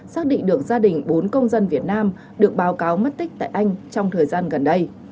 xác định được gia đình bốn công dân việt nam được báo cáo mất tích tại anh trong thời gian gần đây